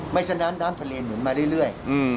ฉะนั้นน้ำทะเลหนุนมาเรื่อย